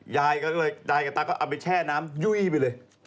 ยายกับตาก็เอาไปแช่น้ำยุ่ยไปเลย